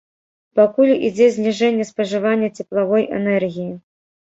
Пакуль ідзе зніжэнне спажывання цеплавой энергіі.